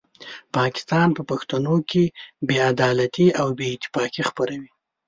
پاکستان په پښتنو کې بې عدالتي او بې اتفاقي خپروي.